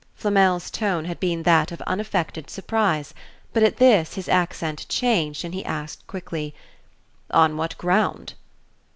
Flamel's tone had been that of unaffected surprise, but at this his accent changed and he asked, quickly: "On what ground?"